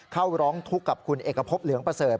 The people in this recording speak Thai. เข้าร้องทุกข์กับคุณเอกพบเหลืองประเสริฐ